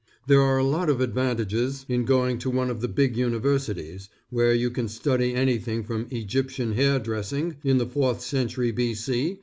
There are a lot of advantages in going to one of the big universities, where you can study anything from Egyptian Hair Dressing in the fourth century B. C.